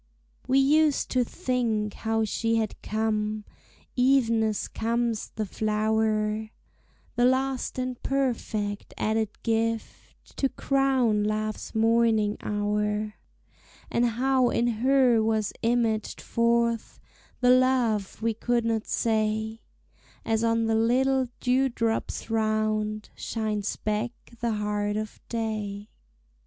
We used to think how she had come, Even as comes the flower, The last and perfect added gift To crown Love's morning hour; And how in her was imaged forth The love we could not say, As on the little dewdrops round Shines back the heart of day.